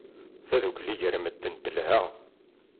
Tadukli gar medden telha.